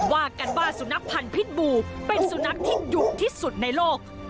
ว่ากันว่าสุนัขพันธ์พิษบูเป็นสุนัขที่ดุที่สุดในโลก